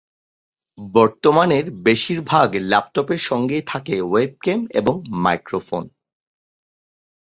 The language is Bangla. বর্তমানের বেশিরভাগ ল্যাপটপের সঙ্গেই থাকে ওয়েবক্যাম এবং মাইক্রোফোন।